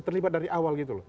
terlibat dari awal gitu loh